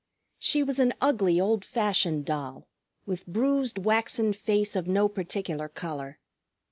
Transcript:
She was an ugly, old fashioned doll, with bruised waxen face of no particular color.